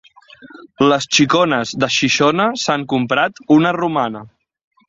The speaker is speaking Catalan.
Les xicones de Xixona s'han comprat una romana.